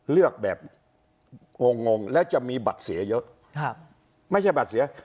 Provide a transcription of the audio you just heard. เลือกแบบงงงแล้วจะมีบัตรเสียเยอะไม่ใช่บัตรเสีย